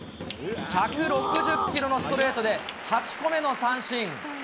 １６０キロのストレートで、８個目の三振。